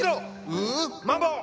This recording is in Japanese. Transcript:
うマンボ！